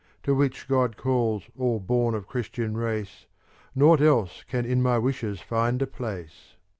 To which God calls all born of Christian race. Nought else can in my wishes find a place.